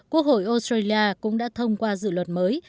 quốc hội australia cũng đã thông qua dự luật mới